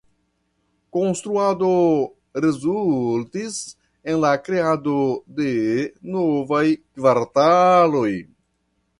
Konstruado rezultis en la kreado de novaj kvartaloj.